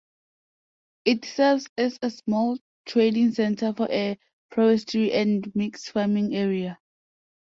It serves as a small trading centre for a forestry and mix farming area.